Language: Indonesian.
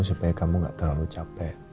supaya kamu gak terlalu capek